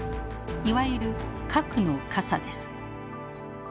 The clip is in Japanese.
いわゆる核の傘です。